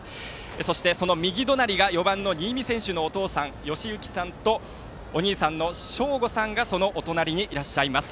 そして、その右隣が４番の新美選手のお父さん義之さんとお兄さんの翔梧さんがそのお隣にいらっしゃいます。